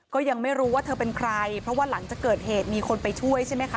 ก็ยังไม่รู้ว่าเธอเป็นใครเพราะว่าหลังจากเกิดเหตุมีคนไปช่วยใช่ไหมคะ